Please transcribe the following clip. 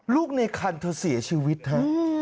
ลูกในคันเธอเสียชีวิตฮะ